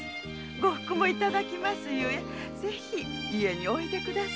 呉服もいただきますゆえぜひ家においでくだされ。